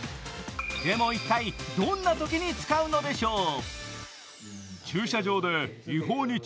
でも一体、どんなときに使うのでしょう。